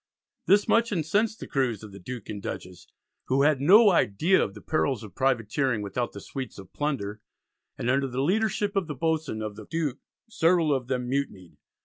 This much incensed the crews of the Duke and Dutchess who had no idea of the perils of privateering without the sweets of plunder, and under the leadership of the boatswain of the Duke several of them mutinied.